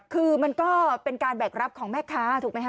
คือมันก็เป็นการแบกรับของแม่ค้าถูกไหมคะ